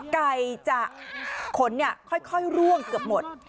ไก่จะขนค่อยร่วงเกือบหมด